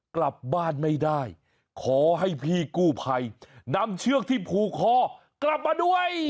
กลับบ้านไม่ได้ขอให้พี่กู้ภัยนำเชือกที่ผูกคอกลับมาด้วย